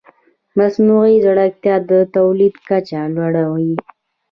مصنوعي ځیرکتیا د تولید کچه لوړه وي.